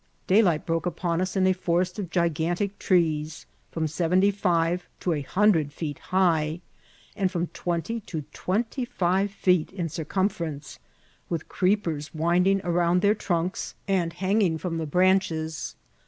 Daylight broke upon us in a forest of gigantic trees, from seventy five to a hundred feet high, and from twenty to twenty five feet in circumfer ence, with creepers winding around their trunks and fM IVCIDBVTS OF TRATBI^ hangmg from the branches.